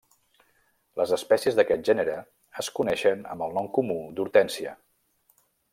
Les espècies d'aquest gènere es coneixen amb el nom comú d'hortènsia.